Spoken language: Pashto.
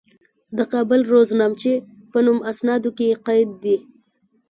د کابل روزنامچې په نوم اسنادو کې قید دي.